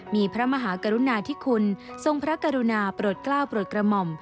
มีพระมหากรุณาธิคุณทรงพระกรุณาโปรดกล้าวโปรดกระหม่อม